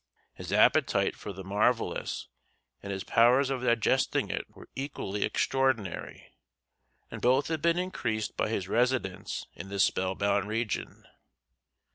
His appetite for the marvellous and his powers of digesting it were equally extraordinary, and both had been increased by his residence in this spellbound region.